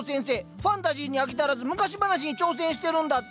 ファンタジーに飽き足らず昔話に挑戦してるんだって！